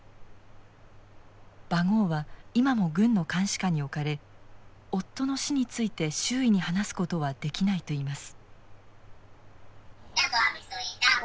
バゴーは今も軍の監視下に置かれ夫の死について周囲に話すことはできないといいます。